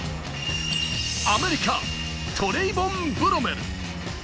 アメリカ、トレイボン・ブロメル。